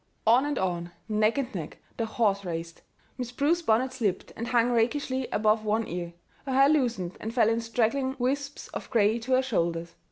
On and on, neck and neck, the horses raced. Miss Prue's bonnet slipped and hung rakishly above one ear. Her hair loosened and fell in straggling wisps of gray to her shoulders.